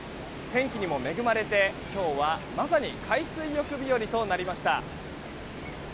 天気にも恵まれて今日はまさに海水浴日和となりました。